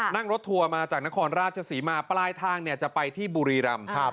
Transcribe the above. นั่งรถทัวร์มาจากนครราชศรีมาปลายทางจะไปที่บุรีรำ